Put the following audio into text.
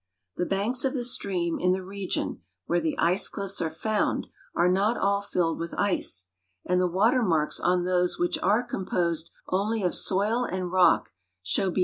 Tlie banks of the stream in the region Avhere the ice cliffs are found are not all filled Avith ice, and the Avater inarks on those AAdiich are composed only of soil and rock shoAV be.